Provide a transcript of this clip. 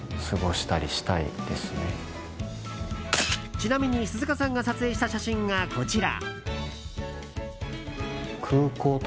ちなみに鈴鹿さんが撮影した写真がこちら。